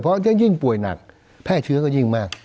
เพราะยิ่งป่วยหนักแพร่เชื้อก็ยิ่งมาก